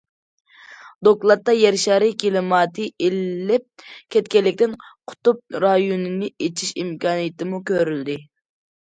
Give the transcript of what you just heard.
دوكلاتتا يەر شارى كىلىماتى ئىللىپ كەتكەنلىكتىن، قۇتۇپ رايونىنى ئېچىش ئىمكانىيىتىمۇ كۆرۈلدى.